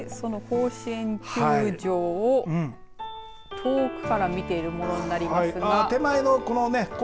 その甲子園球場を遠くから見ているものになりますが。